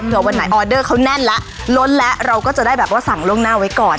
เพื่อวันไหนออเดอร์เขาแน่นแล้วล้นแล้วเราก็จะได้แบบว่าสั่งล่วงหน้าไว้ก่อน